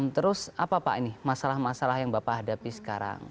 terus apa pak ini masalah masalah yang bapak hadapi sekarang